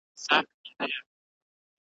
که کتل یې چي مېړه یې یک تنها دی `